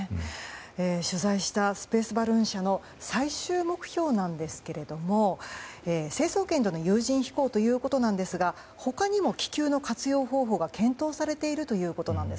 取材したスペース・バルーン社の最終目標ですが成層圏での有人飛行ということですが他にも気球の活用方法が検討されているということです。